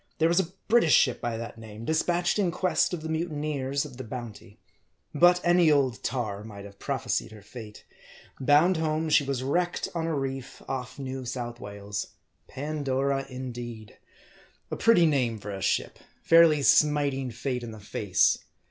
There was a British ship by that name, dispatched in quest of the mutineers of the Bounty. But any old tar might have prophesied her fate. Bound home she was wrecked on a reef off New South Wales. Pandora, indeed ! A pretty name for a ship : fairly smiting Fate in the face.